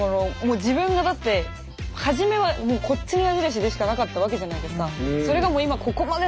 自分がだって初めはこっちの矢印でしかなかったわけじゃないですか。